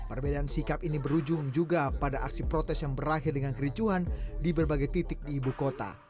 perbedaan sikap ini berujung juga pada aksi protes yang berakhir dengan kericuhan di berbagai titik di ibu kota